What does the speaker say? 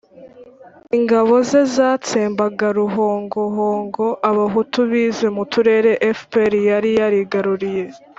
ingabo ze zatsembaga ruhongohongo abahutu bize mu turere fpr yari yarigaruriye.